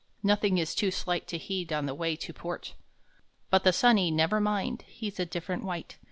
Nothing is too slight to heed On the way to port. But the sunny " Never Mind," He s a different wight.